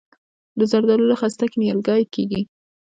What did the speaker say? د زردالو له خستې نیالګی کیږي؟